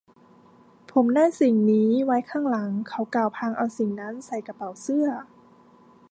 ผมได้ทิ้งสิ่งนี้ไว้ข้างหลัง เขากล่าวพลางเอาสิ่งนั้นใส่กระเป๋าเสื้อ